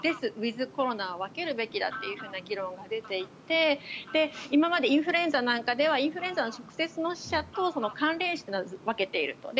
・ウィズ・コロナは分けるべきだという議論が出ていて今までインフルエンザなんかではインフルエンザの直接の死者と関連死を分けている。